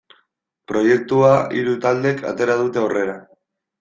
Proiektua hiru taldek atera dute aurrera.